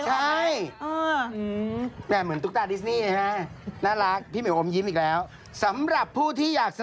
เนี่ยไงเมื่อกี้นี่ไงที่ไปเล่นกับพี่แม่กินเจ้า